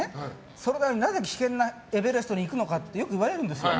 それで、なぜ危険なエベレストに行くのかってよく言われるんですよ。